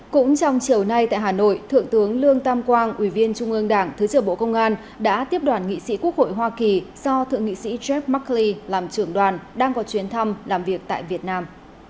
cũng trong chiều nay tại hà nội thượng tướng lương tam quang ủy viên trung ương đảng thứ trưởng bộ công an đã tiếp đoàn nghị sĩ quốc hội hoa kỳ do thượng nghị sĩ jack mckli làm trưởng đoàn đang có chuyến thăm làm việc tại việt nam